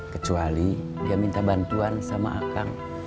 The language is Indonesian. kecuali dia minta bantuan sama akang